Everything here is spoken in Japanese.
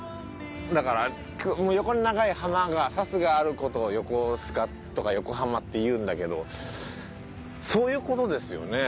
だから横に長い浜が砂州がある事を「横須賀」とか「横浜」っていうんだけどそういう事ですよね。